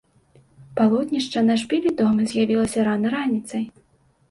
Палотнішча на шпілі дома з'явілася рана раніцай.